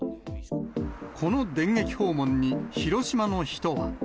この電撃訪問に、広島の人は。